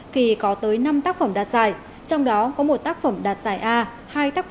khi có tới năm tác phẩm đạt giải trong đó có một tác phẩm đạt giải a